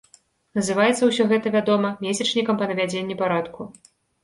Называецца ўсё гэта, вядома, месячнікам па навядзенні парадку.